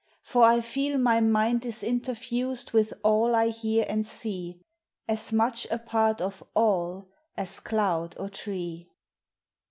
For I feel my mind Is interfused with all I hear and see ; As much a part of All as cloud or tree.